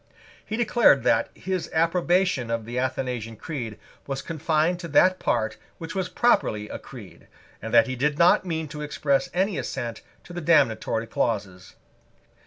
He declared that his approbation of the Athanasian Creed was confined to that part which was properly a Creed, and that he did not mean to express any assent to the damnatory clauses.